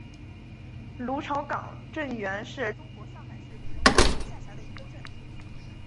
芦潮港镇原是中国上海市浦东新区下辖的一个镇。